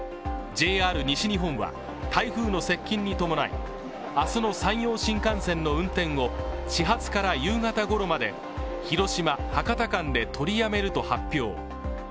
ＪＲ西日本は、台風の接近に伴い明日の山陽新幹線の運転を始発から夕方ごろまで広島−博多間で取りやめると発表。